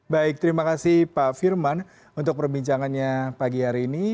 baik terima kasih pak firman untuk perbincangannya pagi hari ini